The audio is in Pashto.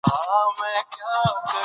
بادام د افغانستان د ملي هویت نښه ده.